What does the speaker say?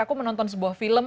aku menonton sebuah film